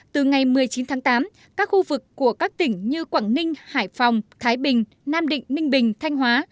từ ngày một mươi chín tháng tám các khu vực của các tỉnh như quảng ninh hải phòng thái bình nam định ninh bình thanh hóa